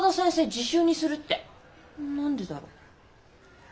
自習にするって。何でだろう？